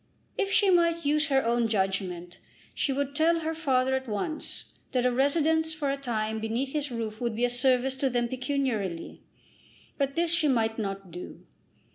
If she might use her own judgment she would tell her father at once that a residence for a time beneath his roof would be a service to them pecuniarily. But this she might not do.